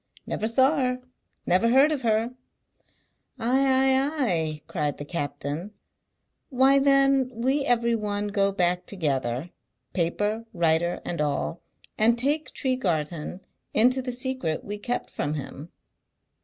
"Never saw her; never heard of her!" "Ay, ay, ay!" cried the captain. "Why then we every one go back together paper, writer, and all and take Tregarthen into the secret we kept from him?"